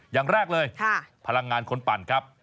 อย่างแรกเลยพลังงานคนปั่นครับ